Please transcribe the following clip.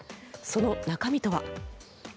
その中身とは。